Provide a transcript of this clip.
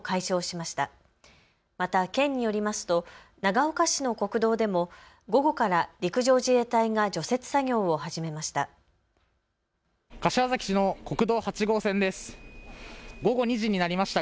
また県によりますと長岡市の国道でも午後から陸上自衛隊が除雪作業を始めました。